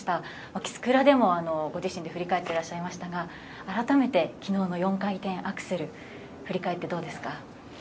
キスクラでも、ご自身で振り返ってらっしゃいましたがあらためて昨日の４回転アクセル振り返ってどうですか。